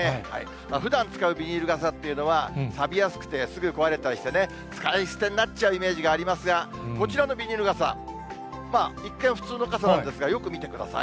ふだん使うビニール傘というのは、さびやすくてすぐ壊れたりしてね、使い捨てになっちゃうイメージありますが、こちらのビニール傘、一見普通の傘なんですが、よく見てください。